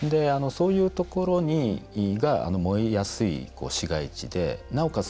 そういうところが燃えやすい市街地で、なおかつ